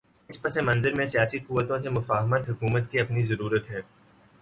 اس پس منظر میں سیاسی قوتوں سے مفاہمت حکومت کی اپنی ضرورت ہے۔